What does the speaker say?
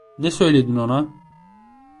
Ne söyledin ona?